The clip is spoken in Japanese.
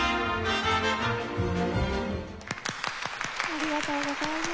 ありがとうございます。